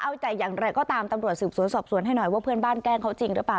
เอาใจอย่างไรก็ตามตำรวจสืบสวนสอบสวนให้หน่อยว่าเพื่อนบ้านแกล้งเขาจริงหรือเปล่า